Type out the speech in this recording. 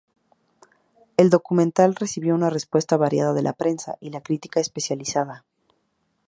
El documental recibió una respuesta variada de la prensa y la crítica especializada.